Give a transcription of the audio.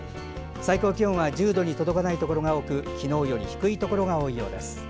最高気温は１０度に届かないところが多く昨日より低いところが多いようです。